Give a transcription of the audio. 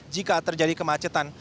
jika terjadi kemacetan